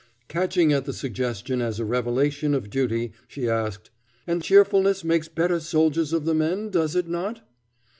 Catching at the suggestion as a revelation of duty, she asked, "And cheerfulness makes better soldiers of the men, does it not?"